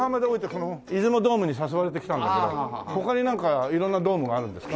この出雲ドームに誘われて来たんだけど他になんか色んなドームがあるんですか？